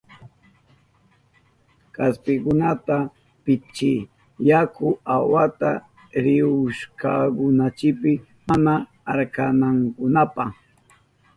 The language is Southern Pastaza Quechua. Kaspikunata pitichiy yaku awata rihushkanchipi mana arkanankunapa.